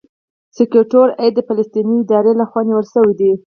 سیکټور اې د فلسطیني ادارې لخوا نیول شوی دی.